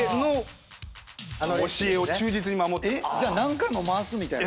じゃあ何回も回すみたいな？